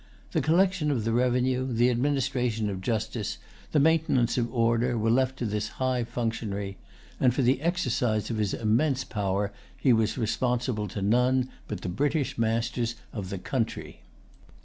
The collection of the revenue, the administration of justice, the maintenance of order, were left to this high functionary; and for the exercise of his immense power he was responsible to none but the British masters of the country.